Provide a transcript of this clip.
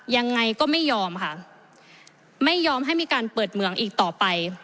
ยังไงก็ไม่ยอมค่ะไม่ยอมให้มีการเปิดเมืองอีกต่อไป